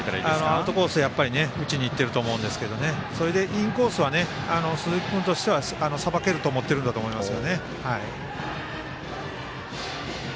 アウトコースを打ちにいってると思うんですけどそれでインコースは鈴木君としてはさばけると思っているんだと思います。